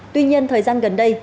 tuy nhiên thời gian gần đây